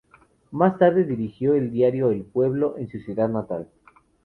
Más tarde dirigió el diario "El Pueblo" en su ciudad natal.